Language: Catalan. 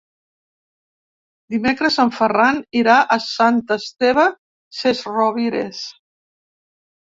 Dimecres en Ferran irà a Sant Esteve Sesrovires.